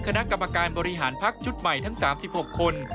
คณะกรรมการบริหารพักชุดใหม่ทั้ง๓๖คน